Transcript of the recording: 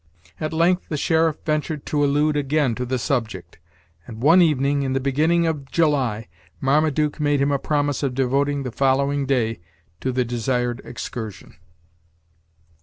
At length the sheriff ventured to allude again to the subject; and one evening, in the beginning of July, Marmaduke made him a promise of devoting the following day to the desired excursion.